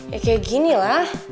ya kayak ginilah